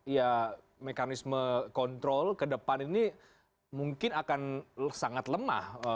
ya mekanisme kontrol ke depan ini mungkin akan sangat lemah